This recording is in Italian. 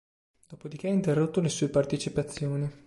Dopodiché ha interrotto le sue partecipazioni.